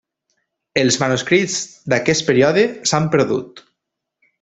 Els manuscrits d'aquest període s'han perdut.